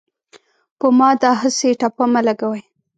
په ما داهسې ټاپه مه لګوۍ